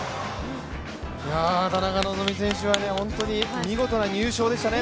田中希実選手は本当に見事な入賞でしたね。